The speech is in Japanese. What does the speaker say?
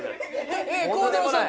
孝太郎さん